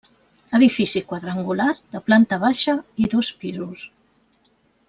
Edifici quadrangular de planta baixa i dos pisos.